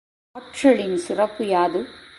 ஆற்றலின் சிறப்பு யாது?